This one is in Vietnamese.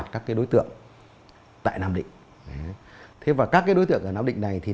các đối tượng ở nam định này